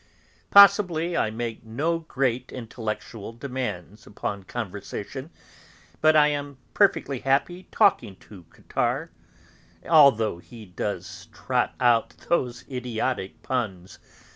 Possibly I make no great intellectual demands upon conversation, but I am perfectly happy talking to Cottard, although he does trot out those idiotic puns.